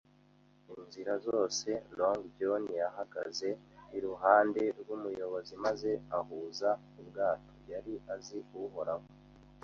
Inzira zose, Long John yahagaze iruhande rw'umuyobozi maze ahuza ubwato. Yari azi Uhoraho